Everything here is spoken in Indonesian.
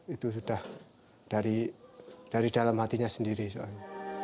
itu sudah dari dalam hatinya sendiri soalnya